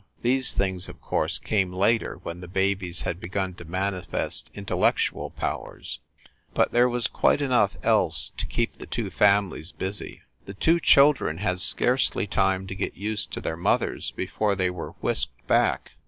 These things, of course, came later, when the babies had begun to manifest intellectual powers, but there was quite enough else to keep the two families busy. The two children had scarcely time to get used to their mothers before they were whisked back.